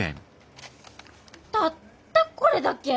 たったこれだけ！？